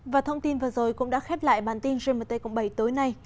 và thông tin vừa rồi cũng đã khép lại bản tin gmt cộng bảy tối nay